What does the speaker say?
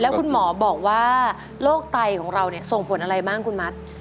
แล้วคุณหมอบอกว่าโลกไตของเราเนี่ยส่งผลอะไรบ้างคุณมัท